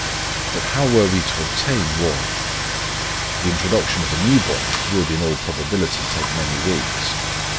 But how were we to obtain warmth? The introduction of a new boiler would, in all probability, take many weeks.